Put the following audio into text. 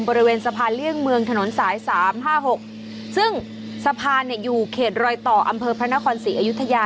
บริเวณสะพานเลี่ยงเมืองถนนสาย๓๕๖ซึ่งสะพานอยู่เขตรอยต่ออำเภอพระนครศรีอยุธยา